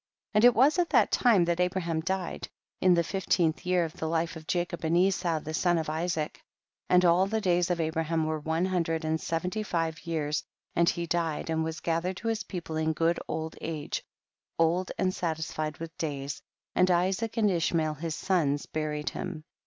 29. And it was at that time that Abraham died, in the fifteenth year of the life of Jacob and Esau, the sons of Isaac, and all the days of Abraham were one hundred and se venty five years, and he died and was gathered to his people in good old age, old and satisfied with days, and Isaac and Ishmael his sons bu ried him.